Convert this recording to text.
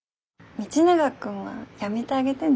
道永君はやめてあげてね。